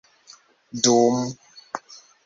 dum